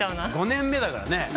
５年目だからね。